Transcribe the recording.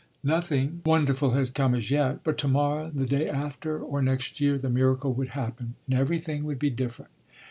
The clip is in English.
Nothing wonderful had come as yet but to morrow, the day after, or next year, the miracle would happen, and everything would be different!